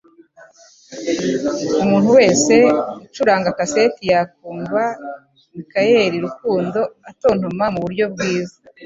Umuntu wese ucuranga kaseti yakumva Michael Rukundo atontoma muburyo bwiza